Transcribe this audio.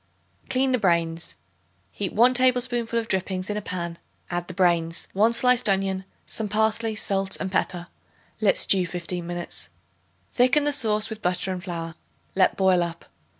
Clean the brains. Heat 1 tablespoonful of drippings in a pan; add the brains, 1 sliced onion, some parsley, salt and pepper. Let stew fifteen minutes. Thicken the sauce with butter and flour; let boil up.